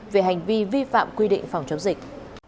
về hành vi vi phạm quy định phòng chống dịch